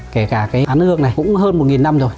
kể cả cái án hương này cũng hơn một năm rồi